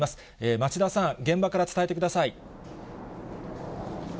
町田さん、現場から伝えてください。